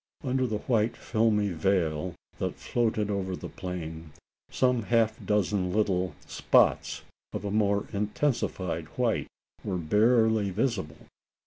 Under the white filmy veil that floated over the plain, some half dozen little, spots of a more intensified white were barely visible.